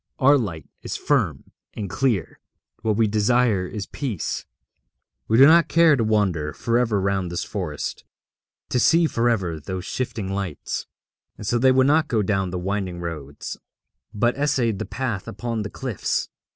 Our light is firm and clear. What we desire is peace; we do not care to wander for ever round this forest, to see for ever those shifting lights.' And so they would not go down the winding roads, but essayed the path upon the cliffs.